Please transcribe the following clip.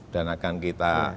dan akan kita